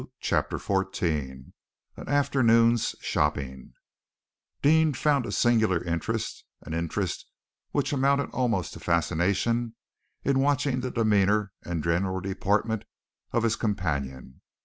CHAPTER XIV AN AFTERNOON'S SHOPPING Deane found a singular interest, an interest which amounted almost to fascination, in watching the demeanor and general deportment of his companion.